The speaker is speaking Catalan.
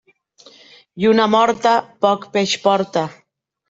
Lluna morta poc peix porta.